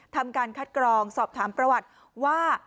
ทำการคัดกรองสอบถามประวัติว่า